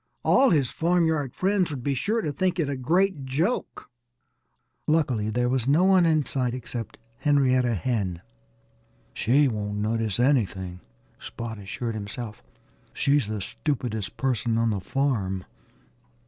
All his farmyard friends would be sure to think it a great joke. Luckily there was no one in sight except Henrietta Hen. "She won't notice anything," Spot assured himself. "She's the stupidest person on the farm."